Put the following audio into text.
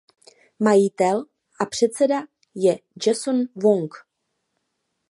Majitel a předseda je Jason Wong.